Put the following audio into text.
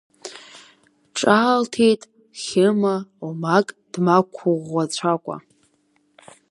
Ҿаалҭит Хьыма оумак днақәмыӷәӷәацәакәа.